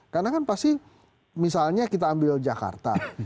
karena kan pasti misalnya kita ambil jakarta